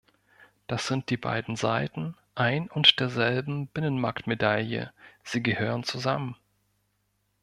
Das sind die beiden Seiten ein und derselben Binnenmarktmedaille sie gehören zusammen.